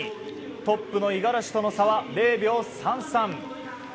トップの五十嵐との差は０秒３３。